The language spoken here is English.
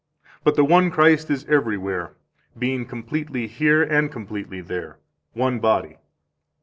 But the one Christ is everywhere, being completely here and completely there, one body.